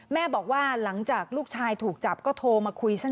แม่บอกว่าหลังจากลูกชายถูกจับก็โทรมาคุยซะ